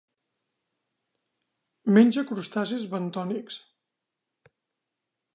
Menja crustacis bentònics.